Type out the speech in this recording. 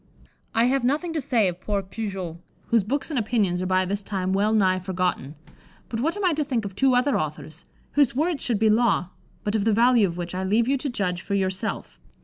I have nothing to say of poor Pujoulx, whose books and opinions are by this time well nigh forgotten; but what am I to think of two other authors, whose words should be law, but of the value of which I leave you to judge for yourself.